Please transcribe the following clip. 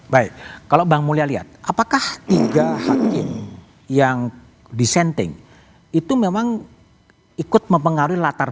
baik kalau bang mulya lihat apakah tiga hakim yang disenting itu memang ikut mempengaruhi latar belakang